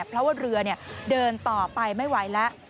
เพราะว่าเรือเดินต่อไปไม่ไหวแล้ว